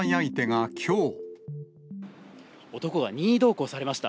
男が任意同行されました。